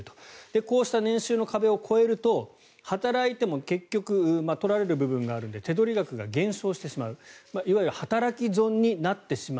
こうした年収の壁を超えると働いても結局取られる部分があるので手取り額が減少してしまういわゆる働き損になってしまう。